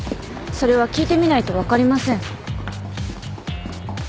それは聞いてみないと分かりません。